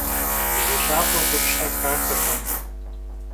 Bzu lhakhue khupşhe xaxırkhım.